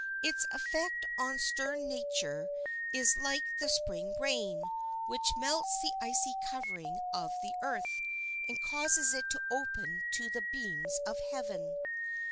Its effect on stern natures is like the Spring rain, which melts the icy covering of the earth, and causes it to open to the beams of heaven.